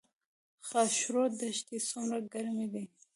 خاشرود دښتې څومره ګرمې دي؟